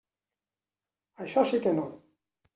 Això sí que no.